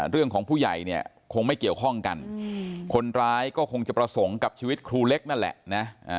ผู้ใหญ่เนี่ยคงไม่เกี่ยวข้องกันคนร้ายก็คงจะประสงค์กับชีวิตครูเล็กนั่นแหละนะ